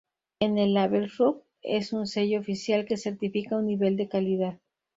El Label Rouge es un sello oficial que certifica un nivel de calidad.